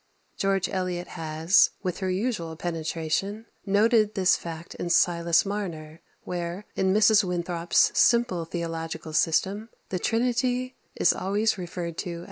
George Eliot has, with her usual penetration, noted this fact in "Silas Marner," where, in Mrs. Winthrop's simple theological system, the Trinity is always referred to as "Them."